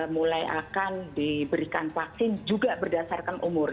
mulai akan diberikan vaksin juga berdasarkan umur